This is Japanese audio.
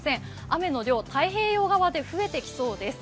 雨の量、太平洋側で増えてきそうです。